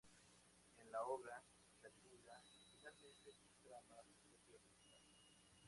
En la obra, Calígula finalmente trama su propio asesinato.